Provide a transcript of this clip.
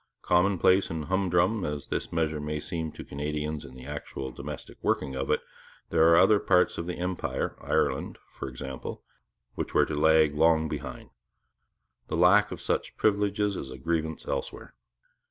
Commonplace and humdrum as this measure may seem to Canadians in the actual domestic working of it, there are other parts of the Empire Ireland, for example which were to lag long behind. The lack of such privileges is a grievance elsewhere.